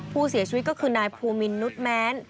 ผู้เสียชีวิตก็คือนายภูมินุษย์แม้น